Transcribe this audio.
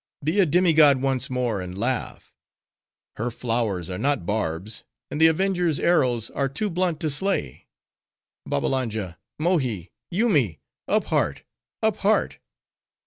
Be a demi god once more, and laugh. Her flowers are not barbs; and the avengers' arrows are too blunt to slay. Babbalanja! Mohi! Yoomy! up heart! up heart!